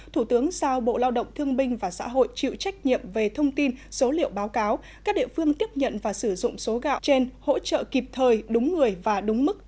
thủ tướng giao bộ lao động thương binh và xã hội chịu trách nhiệm về thông tin số liệu báo cáo các địa phương tiếp nhận và sử dụng số gạo trên hỗ trợ kịp thời đúng người và đúng mức